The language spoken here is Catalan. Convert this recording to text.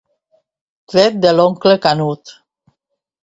Tret de l'oncle Canut.